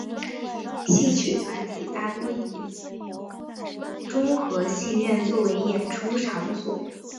戏曲团体大多以中和戏院作为演出场所。